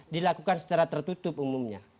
dilakukan secara tertutup umumnya